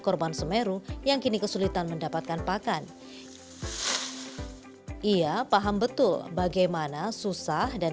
korban semeru yang kini kesulitan mendapatkan pakan ia paham betul bagaimana susah dan